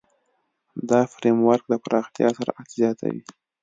دا فریم ورک د پراختیا سرعت زیاتوي.